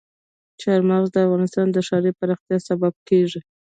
چار مغز د افغانستان د ښاري پراختیا سبب کېږي.